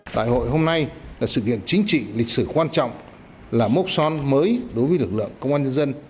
đại hội hôm nay là sự kiện chính trị lịch sử quan trọng là mốc son mới đối với lực lượng công an nhân dân